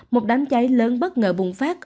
một đám cháy lớn bất ngờ bùng phát